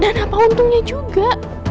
dan apa untungnya juga